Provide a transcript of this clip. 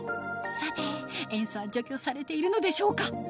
さて塩素は除去されているのでしょうか？